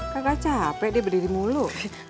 kakak capek deh berdiri mulu